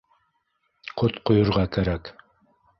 Ҡот ҡойорға кәрәк.